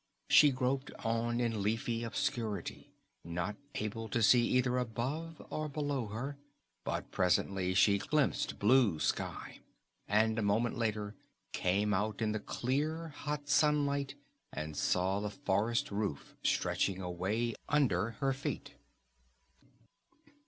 She groped on in leafy obscurity, not able to see either above or below her; but presently she glimpsed blue sky, and a moment later came out in the clear, hot sunlight and saw the forest roof stretching away under her feet.